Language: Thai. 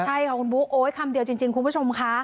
ใช่ค่ะคุณบุ๊คโอ๊ยคำเดียวจริงคุณผู้ชมค่ะ